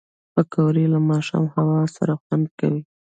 پکورې له ماښامي هوا سره خوند کوي